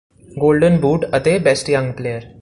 golden boot ਅਤੇ best young player